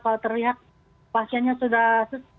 kalau terlihat pasiennya sudah